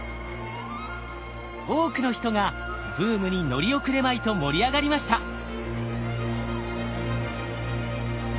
多くの人がブームに乗り遅れまいと盛り上がりました。